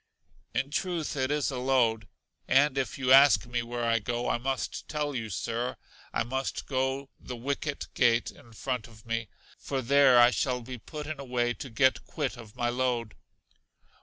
In truth, it is a load; and if you ask me where I go, I must tell you, Sir, I must go the The Wicket Gate in front of me, for there I shall be put in a way to get quit of my load.